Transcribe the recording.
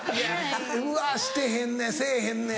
うわしてへんねんせぇへんねん。